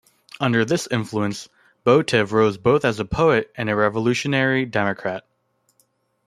Under this influence, Botev rose both as a poet and a revolutionary democrat.